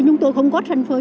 nhưng tôi không có sân phơi